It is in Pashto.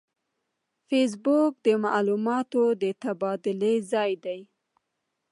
فېسبوک د معلوماتو د تبادلې ځای دی